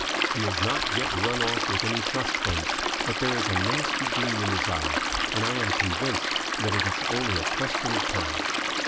He has not yet run off with any trust funds, but there is a nasty gleam in his eye, and I am convinced that it is only a question of time.